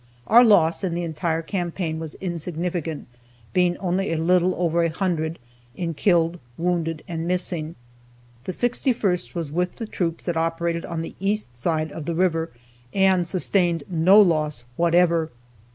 Our loss, in the entire campaign, was insignificant, being only a little over a hundred, in killed, wounded, and missing. The 61st was with the troops that operated on the east side of the river, and sustained no loss whatever.